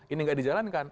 ini nggak dijalankan